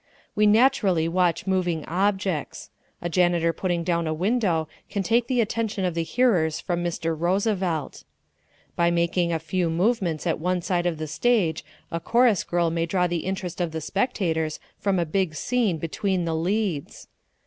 We naturally watch moving objects. A janitor putting down a window can take the attention of the hearers from Mr. Roosevelt. By making a few movements at one side of the stage a chorus girl may draw the interest of the spectators from a big scene between the "leads."